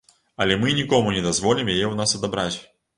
Але мы нікому не дазволім яе ў нас адабраць.